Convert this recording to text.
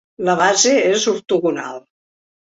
La base és ortogonal.